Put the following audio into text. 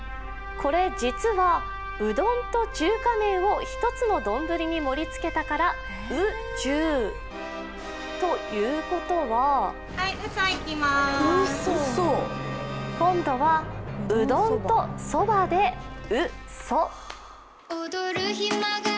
これ、実はうどんと中華麺を一つに盛りつけたからう・ちゅう。ということは今度は、うどんとそばでう・そ。